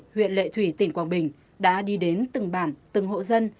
huyện lệ thủy tỉnh quảng bình đã đi đến từng bản từng hộ dân